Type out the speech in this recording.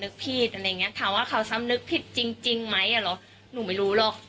ขอโทษสำนึกพิษถามว่าเขาสำนึกพิษจริงไหมหนูไม่รู้หรอก